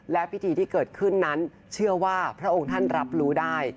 และพิธีที่เกิดขึ้นนั้นเชื่อว่าพระองค์ท่านรับรู้ได้